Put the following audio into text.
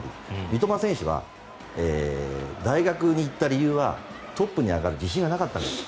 三笘選手は大学に行った理由はトップに上がる自信がなかったから。